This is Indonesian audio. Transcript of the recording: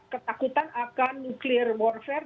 ketakutan akan nuklir warfare